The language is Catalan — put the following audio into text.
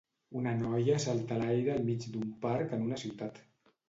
Una noia salta a l'aire al mig d'un parc en una ciutat.